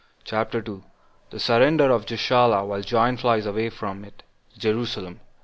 CHAPTER 2. The Surrender Of Gischala; While John Flies Away From It To Jerusalem.